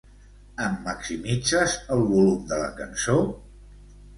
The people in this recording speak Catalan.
Em maximitzes el volum de la cançó?